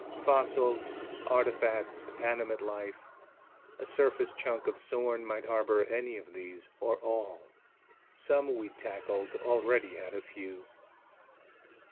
Fossils, artifacts, animate life ... a surface chunk of Sorn might harbor any of these, or all. Some we'd tackled already had a few.